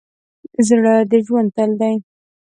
زړه د ژوند تل دی.